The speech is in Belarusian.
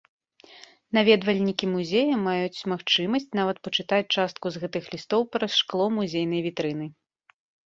Наведвальнікі музея маюць магчымасць нават пачытаць частку з гэтых лістоў праз шкло музейнай вітрыны.